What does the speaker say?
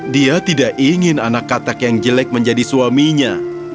dia tidak ingin anak katak yang jelek menjadi suaminya